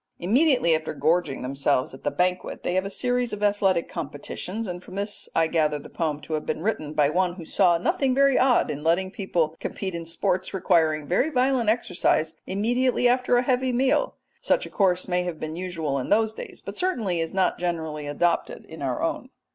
Immediately after gorging themselves at the banquet they have a series of athletic competitions, and from this I gather the poem to have been written by one who saw nothing very odd in letting people compete in sports requiring very violent exercise immediately after a heavy meal. Such a course may have been usual in those days, but certainly is not generally adopted in our own.